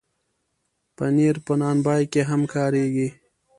پنېر په نان بای کې هم کارېږي.